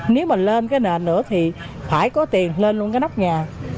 nếu mà lên cái nền nữa thì phải có tiền lên luôn cái nóc nhà